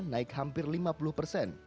naik hampir lima puluh persen